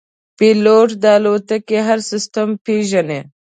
پیلوټ د الوتکې هر سیستم پېژني.